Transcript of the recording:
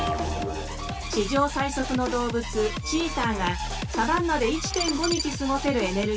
地上最速の動物チーターがサバンナで１．５日過ごせるエネルギーだ。